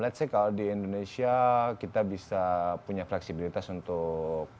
let's say kalau di indonesia kita bisa punya fleksibilitas untuk